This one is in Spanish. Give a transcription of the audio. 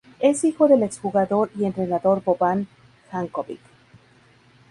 Es hijo del ex-jugador y entrenador Boban Janković.